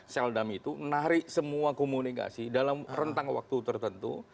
seldam itu menarik semua komunikasi dalam rentang waktu tertentu